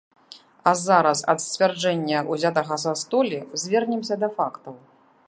А зараз ад сцвярджэння, узятага са столі, звернемся да фактаў.